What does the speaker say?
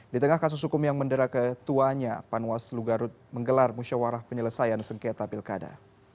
di tengah kasus hukum yang mendera ketuanya panwaslu garut menggelar musyawarah penyelesaian sengketa pilkada